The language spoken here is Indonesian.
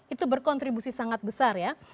itu berkontribusi sangat besar ya